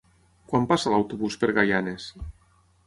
Quan passa l'autobús per Gaianes?